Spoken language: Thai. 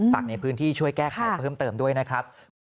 ฝากในพื้นที่ช่วยแก้ไขเพิ่มเติมด้วยนะครับ